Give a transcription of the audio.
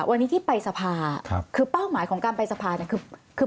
วันนี้ที่ไปสภาครับคือเป้าหมายของการไปสภาเนี่ยคือคือ